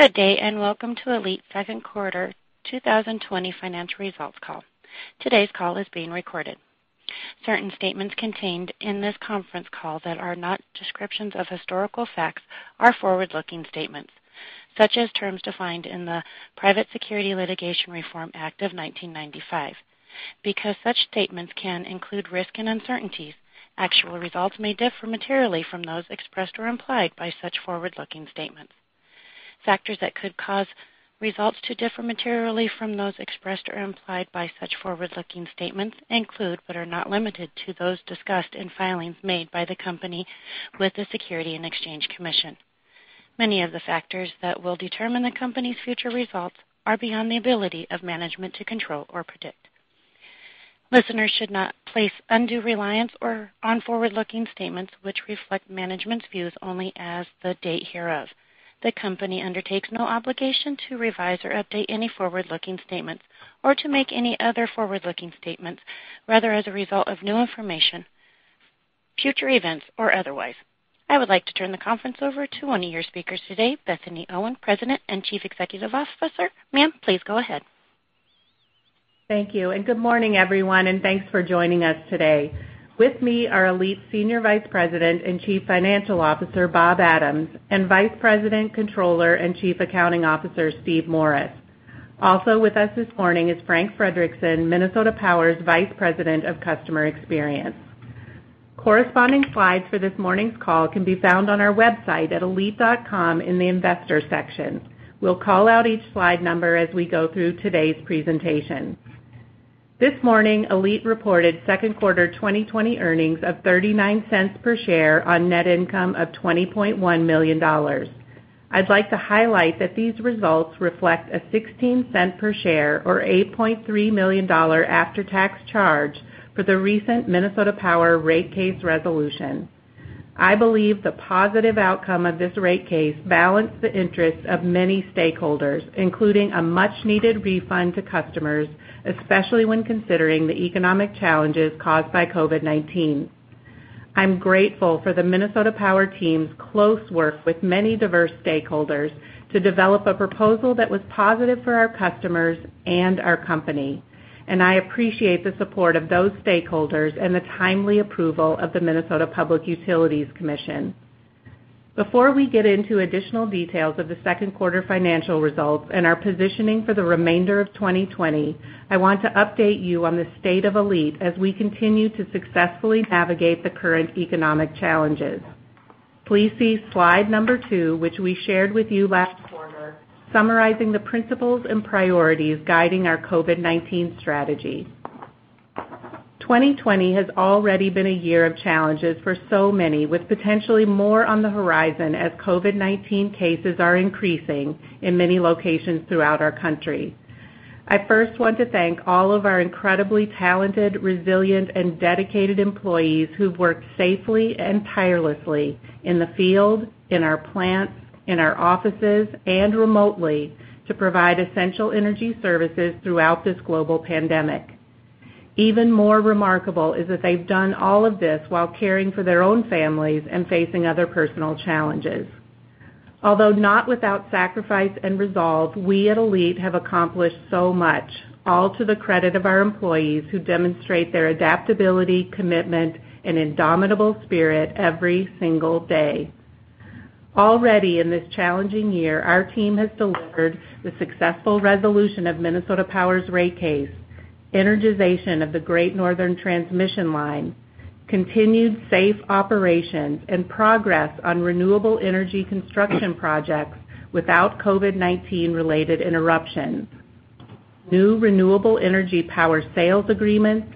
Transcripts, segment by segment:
Good day, and welcome to ALLETE's second quarter 2020 financial results call. Today's call is being recorded. Certain statements contained in this conference call that are not descriptions of historical facts are forward-looking statements, such as terms defined in the Private Securities Litigation Reform Act of 1995. Because such statements can include risk and uncertainties, actual results may differ materially from those expressed or implied by such forward-looking statements. Factors that could cause results to differ materially from those expressed or implied by such forward-looking statements include, but are not limited to, those discussed in filings made by the company with the Securities and Exchange Commission. Many of the factors that will determine the company's future results are beyond the ability of management to control or predict. Listeners should not place undue reliance on forward-looking statements which reflect management's views only as the date hereof. The company undertakes no obligation to revise or update any forward-looking statements or to make any other forward-looking statements, whether as a result of new information, future events, or otherwise. I would like to turn the conference over to one of your speakers today, Bethany Owen, President and Chief Executive Officer. Ma'am, please go ahead. Thank you, and good morning, everyone, and thanks for joining us today. With me are ALLETE Senior Vice President and Chief Financial Officer, Bob Adams, and Vice President, Controller, and Chief Accounting Officer, Steve Morris. Also with us this morning is Frank Frederickson, Minnesota Power's Vice President of Customer Experience. Corresponding slides for this morning's call can be found on our website at allete.com in the Investors section. We'll call out each slide number as we go through today's presentation. This morning, ALLETE reported second-quarter 2020 earnings of $0.39 per share on net income of $20.1 million. I'd like to highlight that these results reflect a $0.16 per share or $8.3 million after-tax charge for the recent Minnesota Power rate case resolution. I believe the positive outcome of this rate case balanced the interests of many stakeholders, including a much-needed refund to customers, especially when considering the economic challenges caused by COVID-19. I'm grateful for the Minnesota Power team's close work with many diverse stakeholders to develop a proposal that was positive for our customers and our company, and I appreciate the support of those stakeholders and the timely approval of the Minnesota Public Utilities Commission. Before we get into additional details of the second quarter financial results and our positioning for the remainder of 2020, I want to update you on the state of ALLETE as we continue to successfully navigate the current economic challenges. Please see slide number two, which we shared with you last quarter, summarizing the principles and priorities guiding our COVID-19 strategy. 2020 has already been a year of challenges for so many, with potentially more on the horizon as COVID-19 cases are increasing in many locations throughout our country. I first want to thank all of our incredibly talented, resilient, and dedicated employees who've worked safely and tirelessly in the field, in our plants, in our offices, and remotely to provide essential energy services throughout this global pandemic. Even more remarkable is that they've done all of this while caring for their own families and facing other personal challenges. Although not without sacrifice and resolve, we at ALLETE have accomplished so much, all to the credit of our employees who demonstrate their adaptability, commitment, and indomitable spirit every single day. Already in this challenging year, our team has delivered the successful resolution of Minnesota Power's rate case, energization of the Great Northern Transmission Line, continued safe operations and progress on renewable energy construction projects without COVID-19 related interruptions, new renewable energy power sales agreements,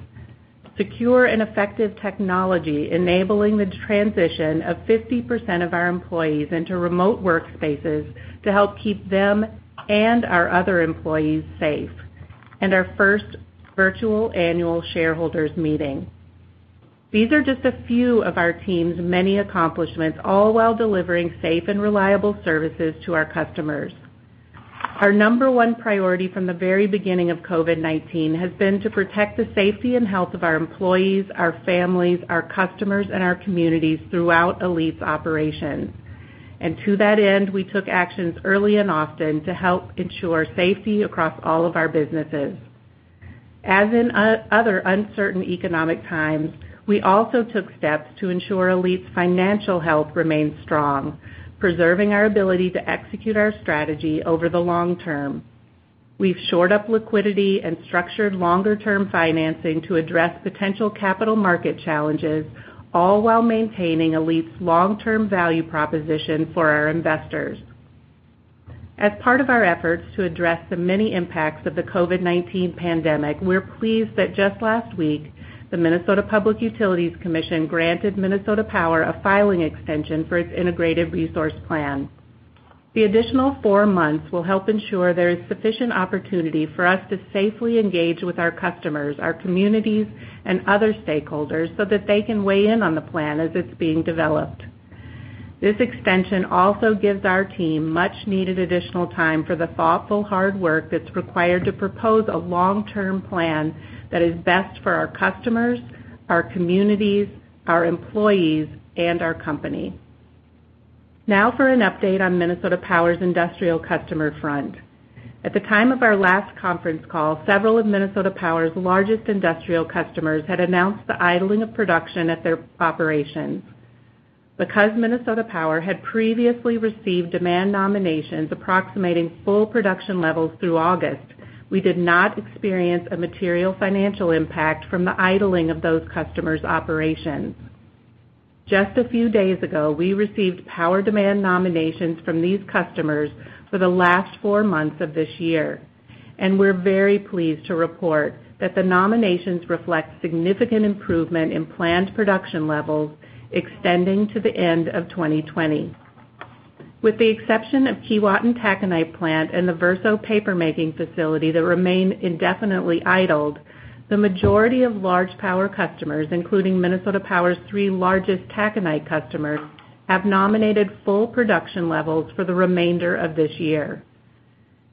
secure and effective technology enabling the transition of 50% of our employees into remote workspaces to help keep them and our other employees safe, and our first Virtual Annual Shareholders Meeting. These are just a few of our team's many accomplishments, all while delivering safe and reliable services to our customers. Our number one priority from the very beginning of COVID-19 has been to protect the safety and health of our employees, our families, our customers, and our communities throughout ALLETE's operations. To that end, we took actions early and often to help ensure safety across all of our businesses. As in other uncertain economic times, we also took steps to ensure ALLETE's financial health remains strong, preserving our ability to execute our strategy over the long term. We've shored up liquidity and structured longer-term financing to address potential capital market challenges, all while maintaining ALLETE's long-term value proposition for our investors. As part of our efforts to address the many impacts of the COVID-19 pandemic, we're pleased that just last week, the Minnesota Public Utilities Commission granted Minnesota Power a filing extension for its Integrated Resource Plan. The additional four months will help ensure there is sufficient opportunity for us to safely engage with our customers, our communities, and other stakeholders so that they can weigh in on the plan as it's being developed. This extension also gives our team much-needed additional time for the thoughtful, hard work that's required to propose a long-term plan that is best for our customers, our communities, our employees, and our company. Now for an update on Minnesota Power's industrial customer front. At the time of our last conference call, several of Minnesota Power's largest industrial customers had announced the idling of production at their operations. Because Minnesota Power had previously received demand nominations approximating full production levels through August, we did not experience a material financial impact from the idling of those customers' operations. Just a few days ago, we received power demand nominations from these customers for the last four months of this year, and we're very pleased to report that the nominations reflect significant improvement in planned production levels extending to the end of 2020. With the exception of Keewatin Taconite plant and the Verso papermaking facility that remain indefinitely idled, the majority of large power customers, including Minnesota Power's three largest taconite customers, have nominated full production levels for the remainder of this year.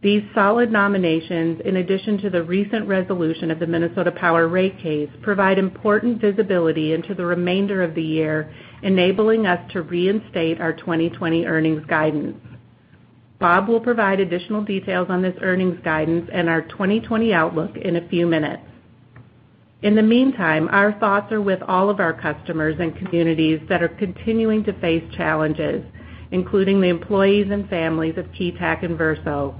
These solid nominations, in addition to the recent resolution of the Minnesota Power rate case, provide important visibility into the remainder of the year, enabling us to reinstate our 2020 earnings guidance. Bob will provide additional details on this earnings guidance and our 2020 outlook in a few minutes. In the meantime, our thoughts are with all of our customers and communities that are continuing to face challenges, including the employees and families of Keetac and Verso.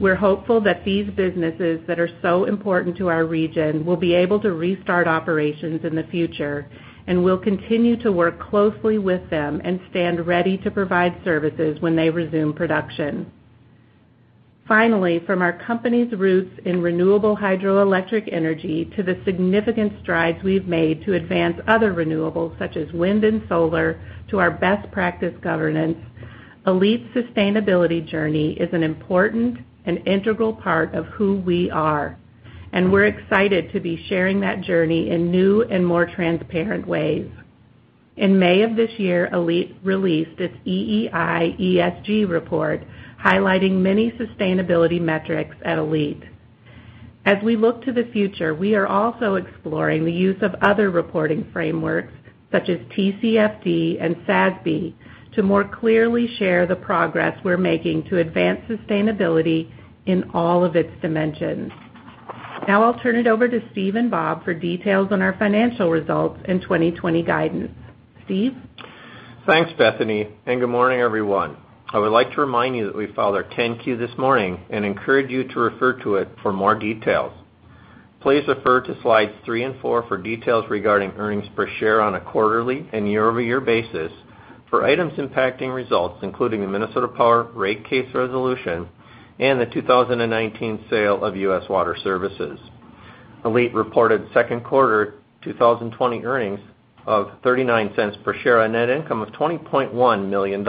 We're hopeful that these businesses that are so important to our region will be able to restart operations in the future, and we'll continue to work closely with them and stand ready to provide services when they resume production. Finally, from our company's roots in renewable hydroelectric energy to the significant strides we've made to advance other renewables, such as wind and solar, to our best practice governance, ALLETE's sustainability journey is an important and integral part of who we are. We're excited to be sharing that journey in new and more transparent ways. In May of this year, ALLETE released its EEI ESG report, highlighting many sustainability metrics at ALLETE. As we look to the future, we are also exploring the use of other reporting frameworks such as TCFD and SASB, to more clearly share the progress we're making to advance sustainability in all of its dimensions. Now I'll turn it over to Steve and Bob for details on our financial results and 2020 guidance. Steve? Thanks, Bethany, and good morning, everyone. I would like to remind you that we filed our 10-Q this morning and encourage you to refer to it for more details. Please refer to slides three and four for details regarding earnings per share on a quarterly and year-over-year basis for items impacting results, including the Minnesota Power rate case resolution and the 2019 sale of U.S. Water Services. ALLETE reported second-quarter 2020 earnings of $0.39 per share on net income of $20.1 million.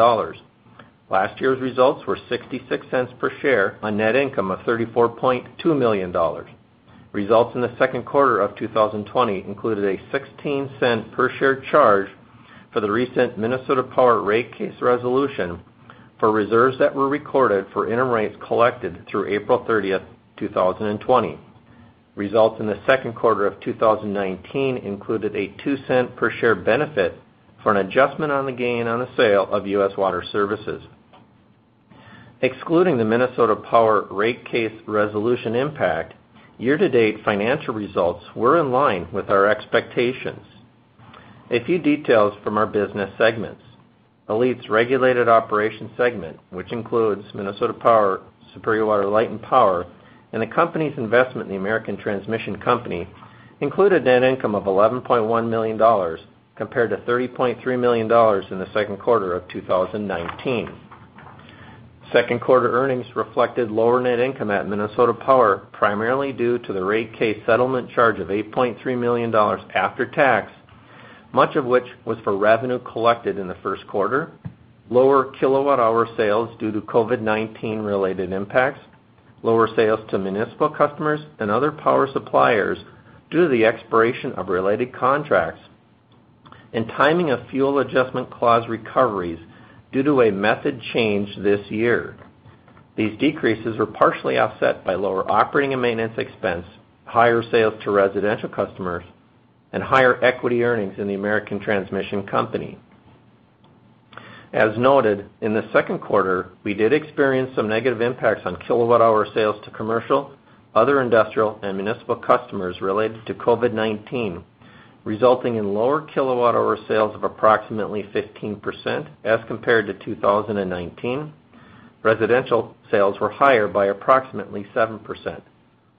Last year's results were $0.66 per share on net income of $34.2 million. Results in the second quarter of 2020 included a $0.16 per share charge for the recent Minnesota Power rate case resolution for reserves that were recorded for interim rates collected through April 30th, 2020. Results in the second quarter of 2019 included a $0.02 per share benefit for an adjustment on the gain on the sale of U.S. Water Services. Excluding the Minnesota Power rate case resolution impact, year-to-date financial results were in line with our expectations. A few details from our business segments. ALLETE's regulated operations segment, which includes Minnesota Power, Superior Water, Light and Power, and the company's investment in the American Transmission Company, included net income of $11.1 million, compared to $30.3 million in the second quarter of 2019. Second quarter earnings reflected lower net income at Minnesota Power, primarily due to the rate case settlement charge of $8.3 million after tax, much of which was for revenue collected in the first quarter, lower kilowatt hour sales due to COVID-19-related impacts, lower sales to municipal customers and other power suppliers due to the expiration of related contracts, and timing of fuel adjustment clause recoveries due to a method change this year. These decreases were partially offset by lower operating and maintenance expense, higher sales to residential customers, and higher equity earnings in the American Transmission Company. As noted, in the second quarter, we did experience some negative impacts on kilowatt-hour sales to commercial, other industrial, and municipal customers related to COVID-19, resulting in lower kilowatt hour sales of approximately 15% as compared to 2019. Residential sales were higher by approximately 7%.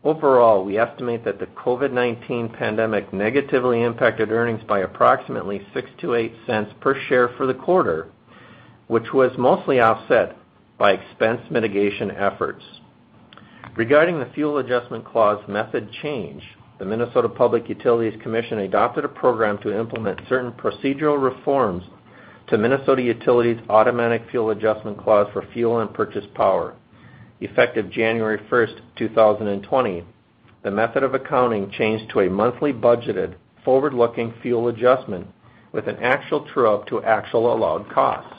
Overall, we estimate that the COVID-19 pandemic negatively impacted earnings by approximately $0.06-$0.08 per share for the quarter, which was mostly offset by expense mitigation efforts. Regarding the fuel adjustment clause method change, the Minnesota Public Utilities Commission adopted a program to implement certain procedural reforms to Minnesota Utilities' automatic fuel adjustment clause for fuel and purchase power. Effective January 1, 2020, the method of accounting changed to a monthly budgeted forward-looking fuel adjustment with an actual true-up to actual allowed costs.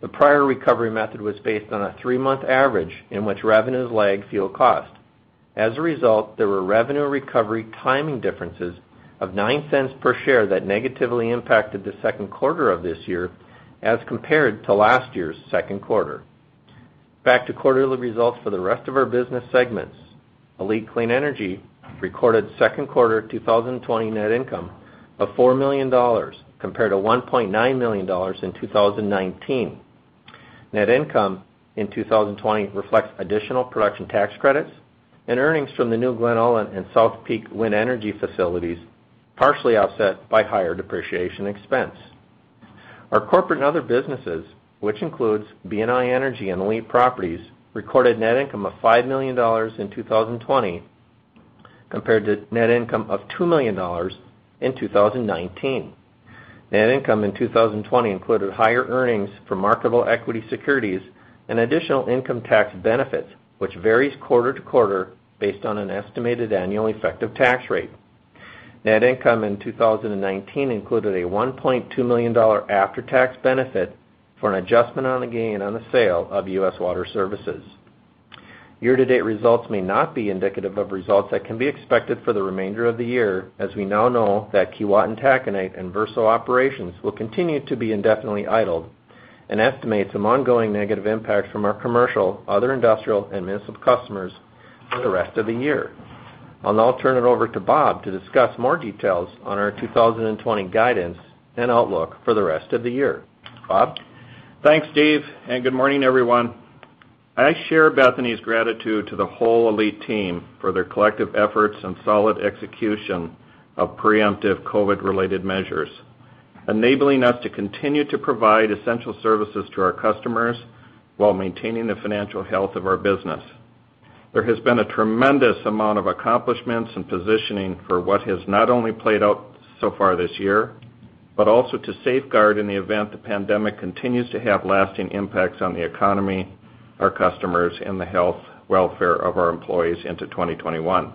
The prior recovery method was based on a three-month average in which revenues lagged fuel cost. As a result, there were revenue recovery timing differences of $0.09 per share that negatively impacted the second quarter of this year as compared to last year's second quarter. Back to quarterly results for the rest of our business segments. ALLETE Clean Energy recorded second-quarter 2020 net income of $4 million, compared to $1.9 million in 2019. Net income in 2020 reflects additional Production Tax Credits and earnings from the new Glen Ullin and South Peak wind energy facilities, partially offset by higher depreciation expense. Our corporate and other businesses, which includes BNI Energy and ALLETE Properties, recorded net income of $5 million in 2020, compared to net income of $2 million in 2019. Net income in 2020 included higher earnings for marketable equity securities and additional income tax benefits, which varies quarter-to-quarter based on an estimated annual effective tax rate. Net income in 2019 included a $1.2 million after-tax benefit for an adjustment on a gain on the sale of U.S. Water Services. Year-to-date results may not be indicative of results that can be expected for the remainder of the year, as we now know that Keewatin Taconite and Verso operations will continue to be indefinitely idled, and estimate some ongoing negative impact from our commercial, other industrial, and municipal customers for the rest of the year. I'll now turn it over to Bob to discuss more details on our 2020 guidance and outlook for the rest of the year. Bob? Thanks, Steve. Good morning, everyone. I share Bethany's gratitude to the whole ALLETE team for their collective efforts and solid execution of preemptive COVID-related measures, enabling us to continue to provide essential services to our customers while maintaining the financial health of our business. There has been a tremendous amount of accomplishments and positioning for what has not only played out so far this year, but also to safeguard in the event the pandemic continues to have lasting impacts on the economy, our customers, and the health welfare of our employees into 2021.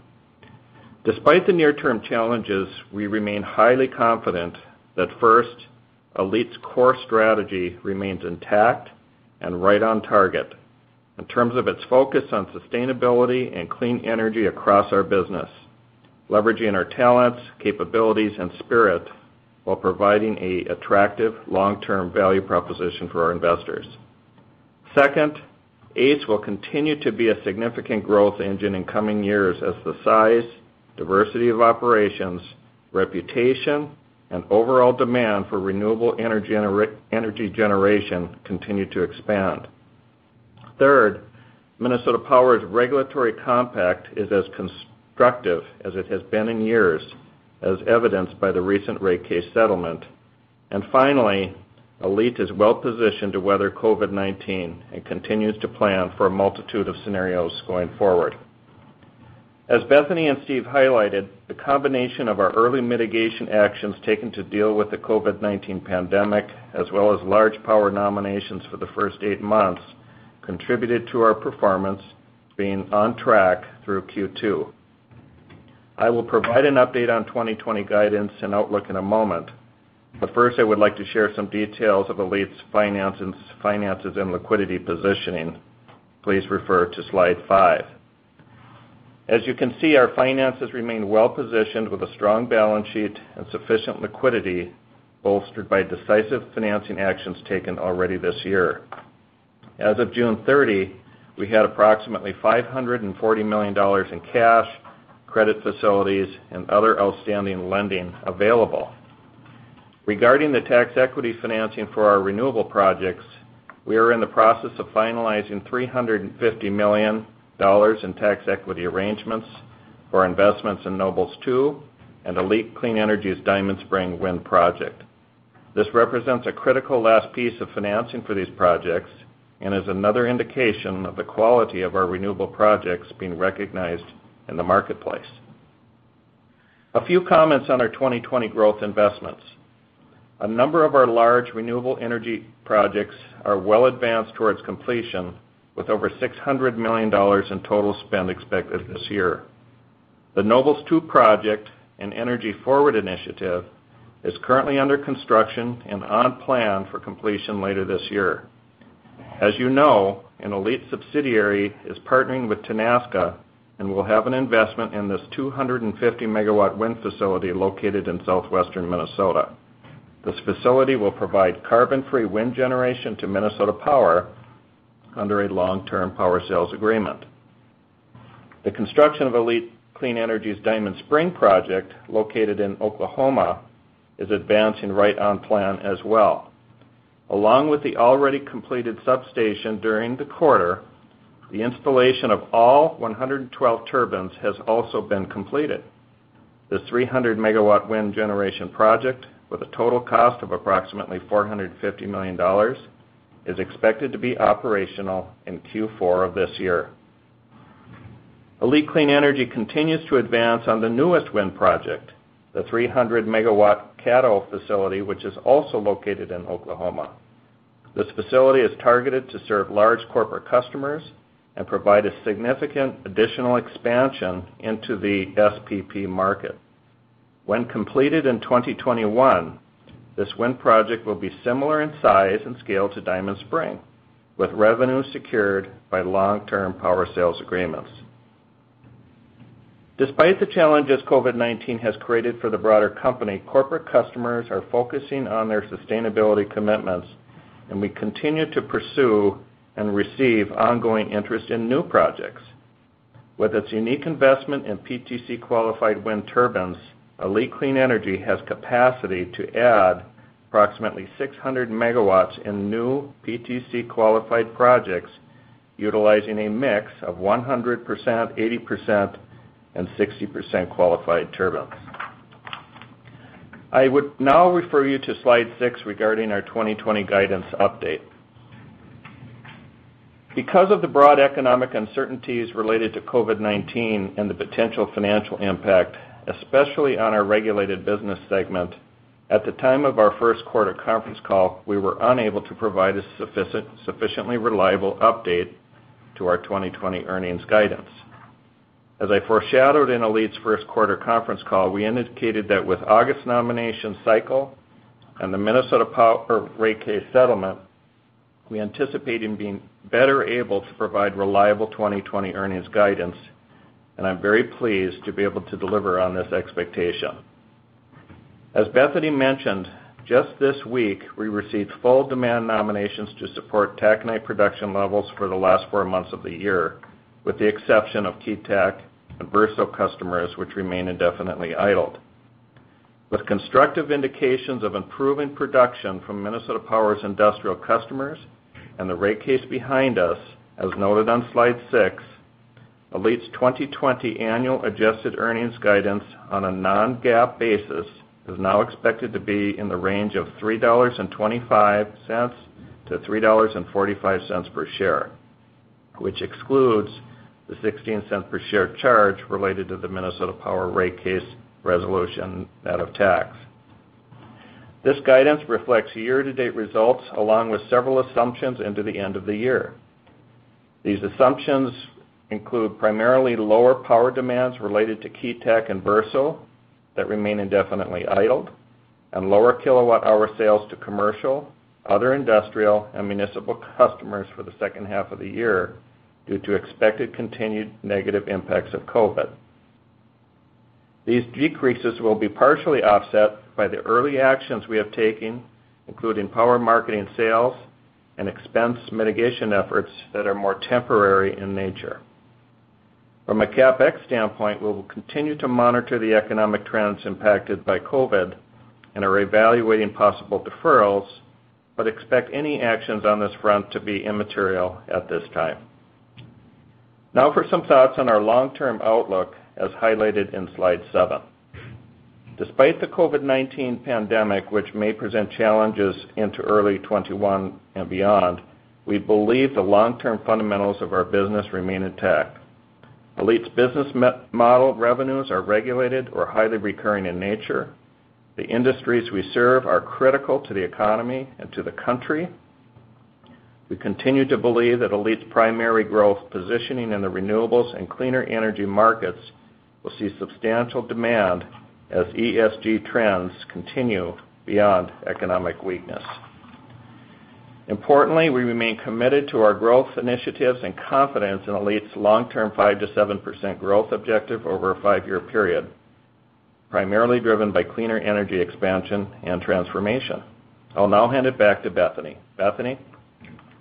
Despite the near-term challenges, we remain highly confident that first, ALLETE's core strategy remains intact and right on target in terms of its focus on sustainability and clean energy across our business, leveraging our talents, capabilities, and spirit while providing a attractive long-term value proposition for our investors. Second, ACE will continue to be a significant growth engine in coming years as the size, diversity of operations, reputation, and overall demand for renewable energy generation continue to expand. Third, Minnesota Power's regulatory compact is as constructive as it has been in years, as evidenced by the recent rate case settlement. Finally, ALLETE is well-positioned to weather COVID-19 and continues to plan for a multitude of scenarios going forward. As Bethany and Steve highlighted, the combination of our early mitigation actions taken to deal with the COVID-19 pandemic, as well as large power nominations for the first eight months, contributed to our performance being on track through Q2. I will provide an update on 2020 guidance and outlook in a moment, but first, I would like to share some details of ALLETE's finances and liquidity positioning. Please refer to slide five. As you can see, our finances remain well-positioned with a strong balance sheet and sufficient liquidity, bolstered by decisive financing actions taken already this year. As of June 30, we had approximately $540 million in cash, credit facilities, and other outstanding lending available. Regarding the tax equity financing for our renewable projects, we are in the process of finalizing $350 million in tax equity arrangements for investments in Nobles 2 and ALLETE Clean Energy's Diamond Spring. This represents a critical last piece of financing for these projects and is another indication of the quality of our renewable projects being recognized in the marketplace. A few comments on our 2020 growth investments. A number of our large renewable energy projects are well advanced towards completion, with over $600 million in total spend expected this year. The Nobles 2 project and EnergyForward initiative is currently under construction and on plan for completion later this year. As you know, an ALLETE subsidiary is partnering with Tenaska and will have an investment in this 250 MW wind facility located in southwestern Minnesota. This facility will provide carbon-free wind generation to Minnesota Power under a long-term power sales agreement. The construction of ALLETE Clean Energy's Diamond Spring project, located in Oklahoma, is advancing right on plan as well. Along with the already completed substation during the quarter, the installation of all 112 turbines has also been completed. This 300 MW wind generation project, with a total cost of approximately $450 million, is expected to be operational in Q4 of this year. ALLETE Clean Energy continues to advance on the newest wind project, the 300 MW Caddo facility, which is also located in Oklahoma. This facility is targeted to serve large corporate customers and provide a significant additional expansion into the SPP market. When completed in 2021, this wind project will be similar in size and scale to Diamond Spring, with revenue secured by long-term power sales agreements. Despite the challenges COVID-19 has created for the broader company, corporate customers are focusing on their sustainability commitments, and we continue to pursue and receive ongoing interest in new projects. With its unique investment in PTC-qualified wind turbines, ALLETE Clean Energy has capacity to add approximately 600 MW in new PTC-qualified projects utilizing a mix of 100%, 80% and 60% qualified turbines. I would now refer you to slide six regarding our 2020 guidance update. Because of the broad economic uncertainties related to COVID-19 and the potential financial impact, especially on our regulated business segment, at the time of our first quarter conference call, we were unable to provide a sufficiently reliable update to our 2020 earnings guidance. As I foreshadowed in ALLETE's first quarter conference call, we indicated that with August's nomination cycle and the Minnesota Power rate case settlement, we anticipate in being better able to provide reliable 2020 earnings guidance, and I'm very pleased to be able to deliver on this expectation. As Bethany mentioned, just this week, we received full demand nominations to support taconite production levels for the last four months of the year, with the exception of Keetac and Verso customers, which remain indefinitely idled. With constructive indications of improving production from Minnesota Power's industrial customers and the rate case behind us, as noted on slide six, ALLETE's 2020 annual adjusted earnings guidance on a non-GAAP basis is now expected to be in the range of $3.25 to $3.45 per share, which excludes the $0.16 per share charge related to the Minnesota Power rate case resolution net of tax. This guidance reflects year-to-date results along with several assumptions into the end of the year. These assumptions include primarily lower power demands related to Keetac and Verso that remain indefinitely idled, and lower kilowatt-hour sales to commercial, other industrial, and municipal customers for the second half of the year due to expected continued negative impacts of COVID. These decreases will be partially offset by the early actions we have taken, including power marketing sales and expense mitigation efforts that are more temporary in nature. From a CapEx standpoint, we will continue to monitor the economic trends impacted by COVID-19 and are evaluating possible deferrals, but expect any actions on this front to be immaterial at this time. For some thoughts on our long-term outlook, as highlighted in slide seven. Despite the COVID-19 pandemic, which may present challenges into early 2021 and beyond, we believe the long-term fundamentals of our business remain intact. ALLETE's business model revenues are regulated or highly recurring in nature. The industries we serve are critical to the economy and to the country. We continue to believe that ALLETE's primary growth positioning in the renewables and cleaner energy markets will see substantial demand as ESG trends continue beyond economic weakness. Importantly, we remain committed to our growth initiatives and confidence in ALLETE's long-term 5%-7% growth objective over a five-year period, primarily driven by cleaner energy expansion and transformation. I'll now hand it back to Bethany. Bethany?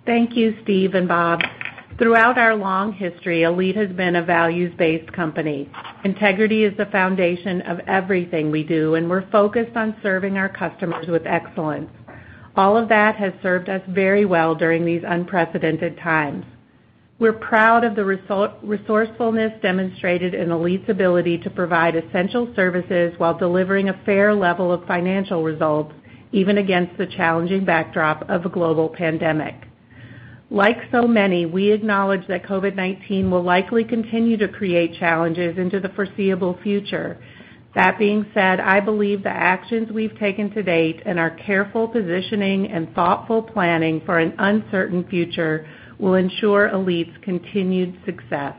Thank you, Steve and Bob. Throughout our long history, ALLETE has been a values-based company. Integrity is the foundation of everything we do, and we're focused on serving our customers with excellence. All of that has served us very well during these unprecedented times. We're proud of the resourcefulness demonstrated in ALLETE's ability to provide essential services while delivering a fair level of financial results, even against the challenging backdrop of a global pandemic. Like so many, we acknowledge that COVID-19 will likely continue to create challenges into the foreseeable future. That being said, I believe the actions we've taken to date and our careful positioning and thoughtful planning for an uncertain future will ensure ALLETE's continued success.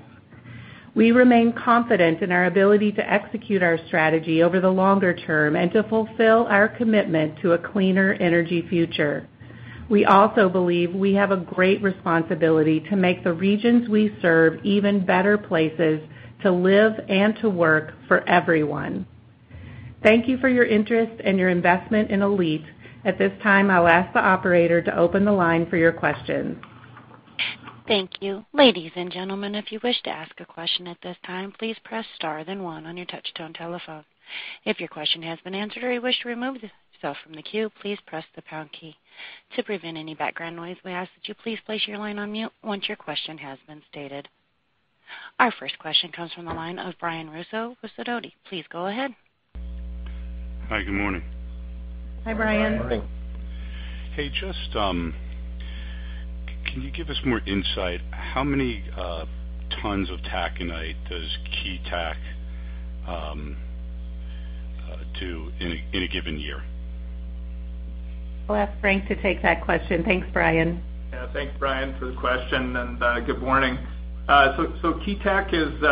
We remain confident in our ability to execute our strategy over the longer term and to fulfill our commitment to a cleaner energy future. We also believe we have a great responsibility to make the regions we serve even better places to live and to work for everyone. Thank you for your interest and your investment in ALLETE. At this time, I'll ask the operator to open the line for your questions. Thank you. Ladies and gentlemen, if you wish to ask a question at this time, please press star then one on your touch-tone telephone. If your question has been answered or you wish to remove yourself from the queue, please press the pound key. To prevent any background noise, we ask that you please place your line on mute once your question has been stated. Our first question comes from the line of Brian Russo with Sidoti. Please go ahead. Hi, good morning. Hi, Brian. Hey, just can you give us more insight, how many tons of taconite does Keetac do in a given year? We'll ask Frank to take that question. Thanks, Brian. Yeah, thanks, Brian, for the question. Good morning. Keetac is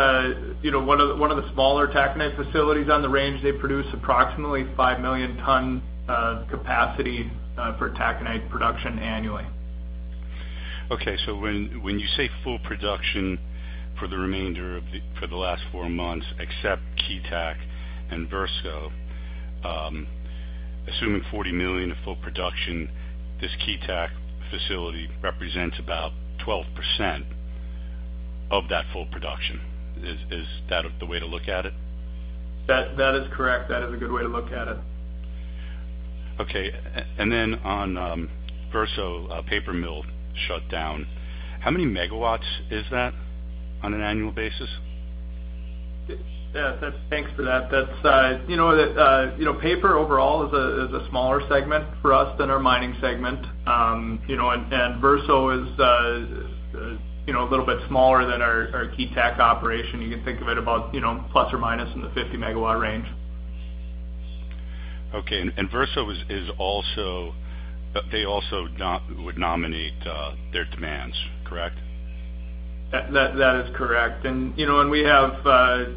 one of the smaller taconite facilities on the range. They produce approximately 5 million ton capacity for taconite production annually. When you say full production for the last four months, except Keetac and Verso, assuming 40 million of full production, this Keetac facility represents about 12% of that full production. Is that the way to look at it? That is correct. That is a good way to look at it. Okay. On Verso paper mill shutdown, how many megawatts is that on an annual basis? Yeah. Thanks for that. Paper overall is a smaller segment for us than our mining segment. Verso is a little bit smaller than our Keetac operation. You can think of it about plus or minus in the 50 MW range. Okay. Verso, they also would nominate their demands, correct? That is correct. We have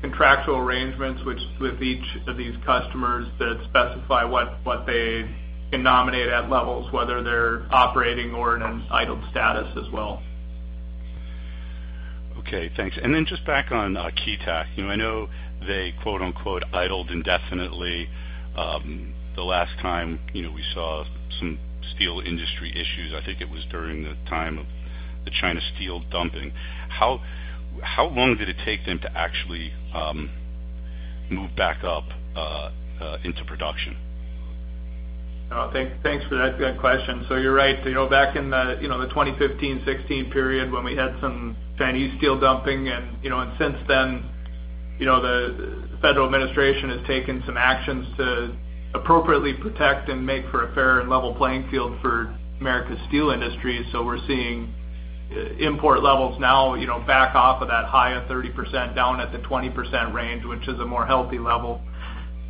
contractual arrangements with each of these customers that specify what they can nominate at levels, whether they're operating or in an idled status as well. Okay, thanks. Then just back on Keetac. I know they quote unquote "idled indefinitely" the last time we saw some steel industry issues. I think it was during the time of the China steel dumping. How long did it take them to actually move back up into production? Thanks for that question. You're right, back in the 2015, 2016 period when we had some Chinese steel dumping, and since then, the federal administration has taken some actions to appropriately protect and make for a fair and level playing field for America's steel industry. We're seeing import levels now back off of that high of 30% down at the 20% range, which is a more healthy level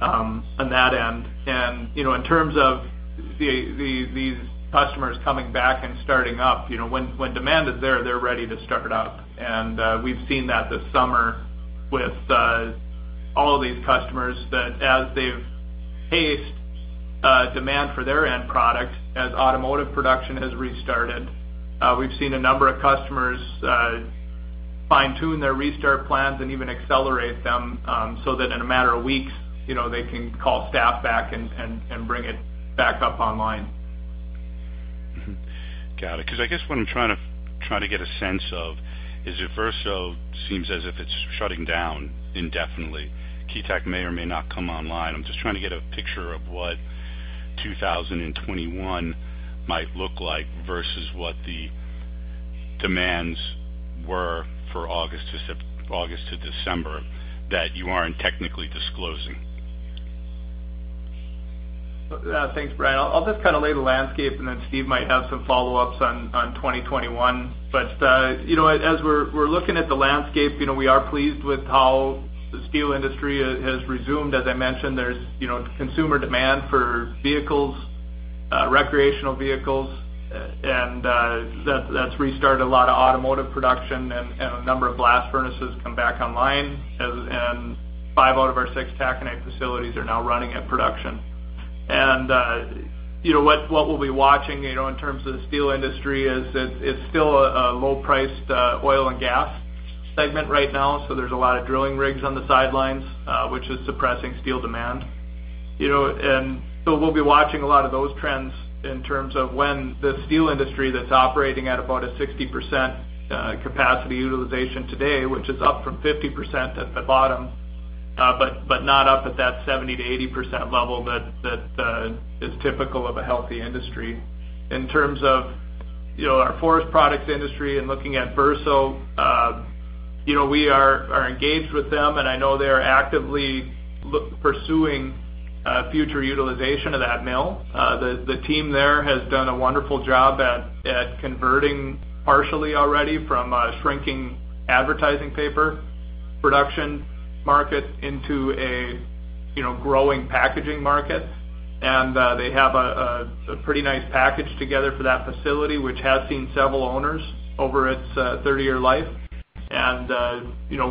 on that end. In terms of these customers coming back and starting up, when demand is there, they're ready to start up. We've seen that this summer, with all of these customers, that, as they've paced demand for their end product, as automotive production has restarted, we've seen a number of customers fine-tune their restart plans and even accelerate them so that in a matter of weeks, they can call staff back and bring it back up online. Got it. I guess what I'm trying to get a sense of is if Verso seems as if it's shutting down indefinitely, Keetac may or may not come online. I'm just trying to get a picture of what 2021 might look like versus what the demands were for August to December that you aren't technically disclosing. Thanks, Brian. I'll just kind of lay the landscape, then Steve might have some follow-ups on 2021. As we're looking at the landscape, we are pleased with how the steel industry has resumed. As I mentioned, there's consumer demand for vehicles, recreational vehicles, and that's restarted a lot of automotive production, and a number of blast furnaces come back online, and five out of our six taconite facilities are now running at production. What we'll be watching in terms of the steel industry is it's still a low-priced oil and gas segment right now, so there's a lot of drilling rigs on the sidelines, which is suppressing steel demand. We'll be watching a lot of those trends in terms of when the steel industry that's operating at about a 60% capacity utilization today, which is up from 50% at the bottom, but not up at that 70%-80% level that is typical of a healthy industry. In terms of our forest products industry and looking at Verso, we are engaged with them, and I know they are actively pursuing future utilization of that mill. The team there has done a wonderful job at converting partially already from a shrinking advertising paper production market into a growing packaging market. They have a pretty nice package together for that facility, which has seen several owners over its 30-year life.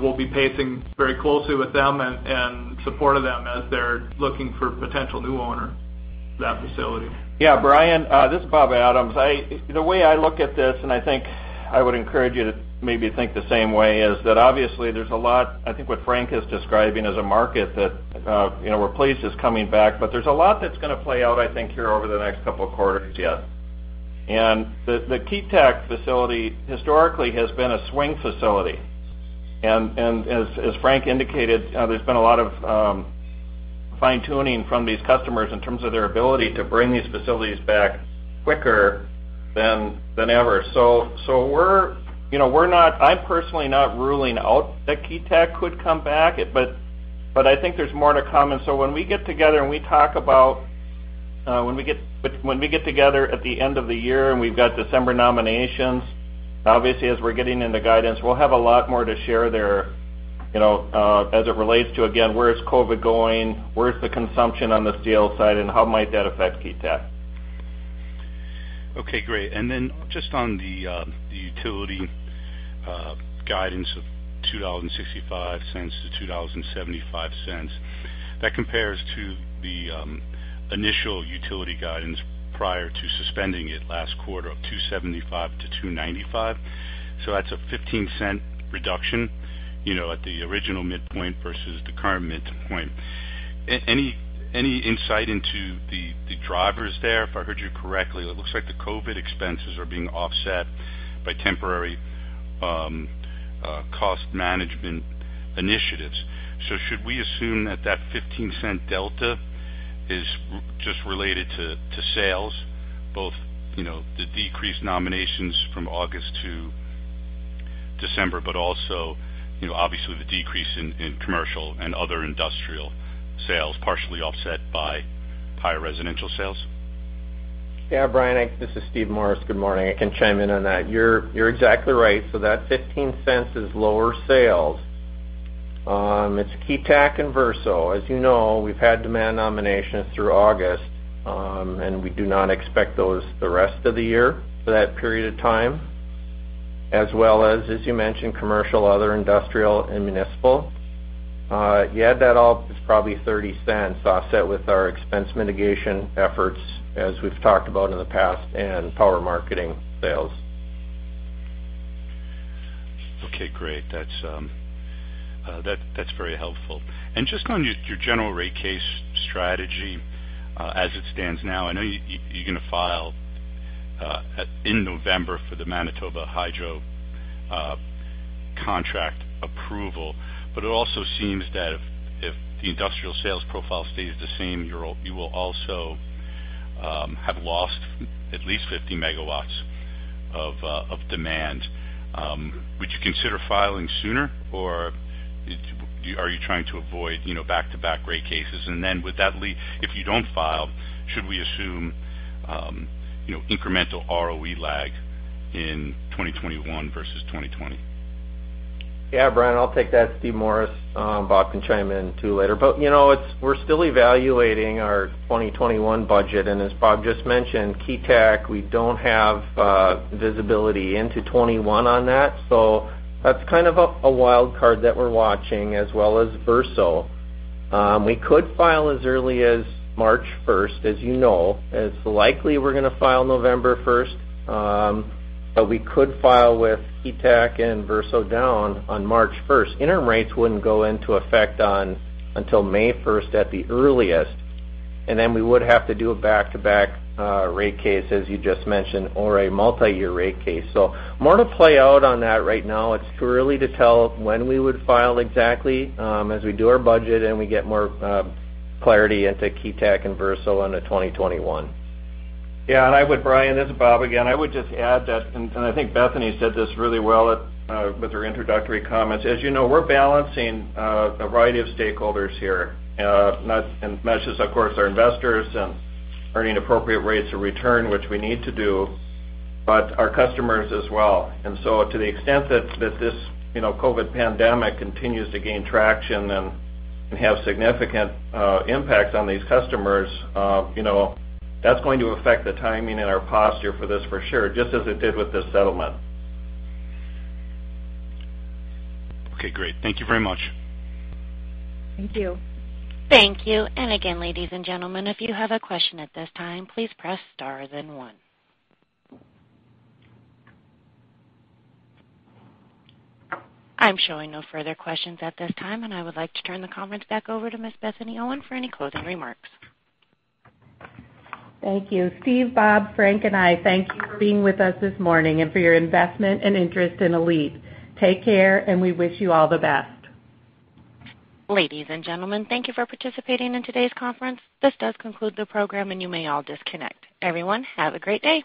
We'll be pacing very closely with them and support of them as they're looking for potential new owner for that facility. Yeah, Brian, this is Bob Adams. The way I look at this, and I think I would encourage you to maybe think the same way, is that obviously there's a lot, I think, what Frank is describing as a market that we're pleased is coming back, but there's a lot that's going to play out, I think, here over the next couple of quarters yet. The Keetac facility historically has been a swing facility. As Frank indicated, there's been a lot of fine-tuning from these customers in terms of their ability to bring these facilities back quicker than ever. I'm personally not ruling out that Keetac could come back, but I think there's more to come. When we get together at the end of the year, and we've got December nominations, obviously, as we're getting into guidance, we'll have a lot more to share there. As it relates to, again, where is COVID-19 going? Where is the consumption on the steel side, and how might that affect Keetac? Okay, great. Just on the utility guidance of $2.65-$2.75. That compares to the initial utility guidance prior to suspending it last quarter of $2.75-$2.95. That's a $0.15 reduction at the original midpoint versus the current midpoint. Any insight into the drivers there? If I heard you correctly, it looks like the COVID expenses are being offset by temporary cost management initiatives. Should we assume that that $0.15 delta is just related to sales, both the decreased nominations from August to December, but also, obviously, the decrease in commercial and other industrial sales, partially offset by higher residential sales? Brian, this is Steve Morris. Good morning. I can chime in on that. You're exactly right. That $0.15 is lower sales. It's Keetac and Verso. As you know, we've had demand nominations through August, and we do not expect those the rest of the year for that period of time. As well as you mentioned, commercial, other industrial, and municipal. You add that all up, it's probably $0.30 offset with our expense mitigation efforts, as we've talked about in the past, and power marketing sales. Okay, great. That's very helpful. Just on your general rate case strategy. As it stands now, I know you're going to file in November for the Manitoba Hydro contract approval. It also seems that if the industrial sales profile stays the same, you will also have lost at least 50 MW of demand. Would you consider filing sooner, or are you trying to avoid back-to-back rate cases? If you don't file, should we assume incremental ROE lag in 2021 versus 2020? Yeah, Brian, I'll take that. Steve Morris. Bob can chime in, too, later. We're still evaluating our 2021 budget, and as Bob just mentioned, Keetac, we don't have visibility into 2021 on that. That's kind of a wild card that we're watching, as well as Verso Corporation. We could file as early as March 1st. You know, it's likely we're going to file November 1st, but we could file with Keetac and Verso Corporation down on March 1st. Interim rates wouldn't go into effect until May 1st at the earliest, and then we would have to do a back-to-back rate case, as you just mentioned, or a multi-year rate case. More to play out on that right now. It's too early to tell when we would file exactly. As we do our budget and we get more clarity into Keetac and Verso into 2021. Yeah. Brian, this is Bob again. I would just add that, and I think Bethany said this really well with her introductory comments. As you know, we're balancing a variety of stakeholders here. Not just, of course, our investors and earning appropriate rates of return, which we need to do, but our customers as well. To the extent that this COVID-19 pandemic continues to gain traction and have significant impacts on these customers, that's going to affect the timing and our posture for this for sure, just as it did with this settlement. Okay, great. Thank you very much. Thank you. Thank you. Again, ladies and gentlemen, if you have a question at this time, please press star then one. I'm showing no further questions at this time. I would like to turn the comments back over to Ms. Bethany Owen for any closing remarks. Thank you. Steve, Bob, Frank, and I thank you for being with us this morning and for your investment and interest in ALLETE. Take care, and we wish you all the best. Ladies and gentlemen, thank you for participating in today's conference. This does conclude the program, and you may all disconnect. Everyone, have a great day.